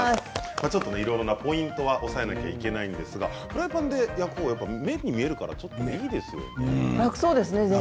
ちょっとね、いろいろなポイントが押さえなければいけないんですがフライパンで焼くと目に見えるからいいですよね。